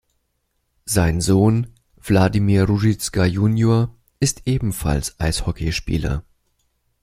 Sein Sohn Vladimír Růžička junior ist ebenfalls Eishockeyspieler.